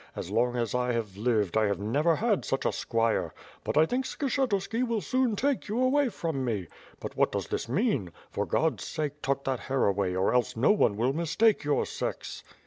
As long as 1 have lived, I have never had such a squire — but I think Skshetuski will soon take you away from me. But what does this mean? For God's sake tuck that hair away or else no one will mistake your sex."